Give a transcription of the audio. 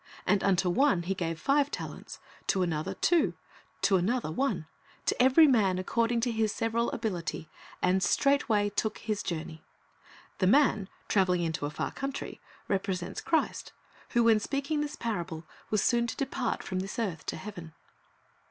And unto one he gave five talents, to another two, and to another one; to every man according to his several abiHty; and straightway took his journey." The man traveling into a far country represents Christ, Based on Matt. 25 : 13 30 (325) 326 Christ''s Object Lessons who, when speaking this parable, was soon to depart from this earth to heaven.